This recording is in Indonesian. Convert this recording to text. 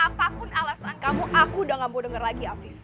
apapun alasan kamu aku udah gak mau denger lagi afif